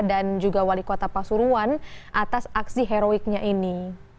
dan juga wali kota pasuruan atas aksi heroiknya ini